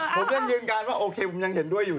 ผมยังยืนยันว่าโอเคผมยังเห็นด้วยอยู่